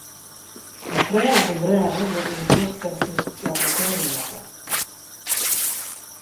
In kroan of in brêge wurdt yn in tosktechnysk laboratoarium makke.